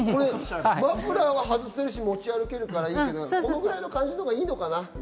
マフラーは外せるし持ち歩けるからいいけど、このぐらいの感じのほうがいいのかな。